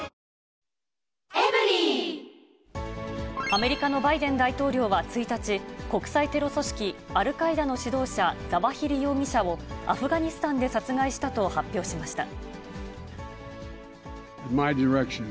アメリカのバイデン大統領は１日、国際テロ組織アルカイダの指導者、ザワヒリ容疑者をアフガニスタンで殺害したと発表しました。